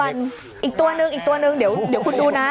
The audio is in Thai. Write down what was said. เดี๋ยวคุณดูนะ